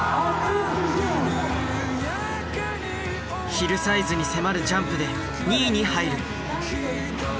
ヒルサイズに迫るジャンプで２位に入る。